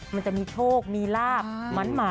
มันจะมีโชคมีลาบหมา